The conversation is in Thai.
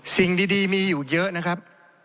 สิ่งดีมีอยู่เยอะนะครับ